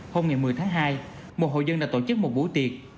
hôm một mươi tháng hai một hội dân đã tổ chức một buổi tiệc